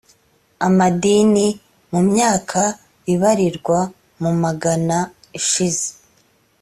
amadini mu myaka ibarirwa mu magana ishize